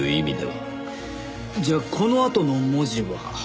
じゃあこのあとの文字は？